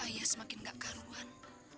ayah semakin tidak kaluan